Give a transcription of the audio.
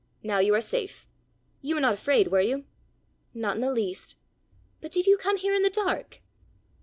Now you are safe! You were not afraid, were you?" "Not in the least. But did you come here in the dark?"